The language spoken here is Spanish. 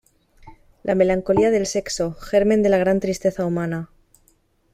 la melancolía del sexo, germen de la gran tristeza humana.